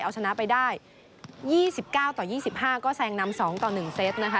เอาชนะไปได้ยี่สิบเก้าต่อยี่สิบห้าก็แซงนำสองต่อหนึ่งเซตนะคะ